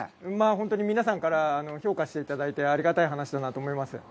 本当に皆さんから評価していただいて、ありがたい話だなと思います。